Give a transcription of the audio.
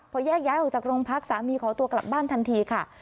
พอแยกย้ายออกจากโรงพักสามีขอตัวกลับบ้านทันทีค่ะ